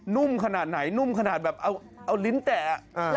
ุ่มขนาดไหนนุ่มขนาดแบบเอาลิ้นแตะ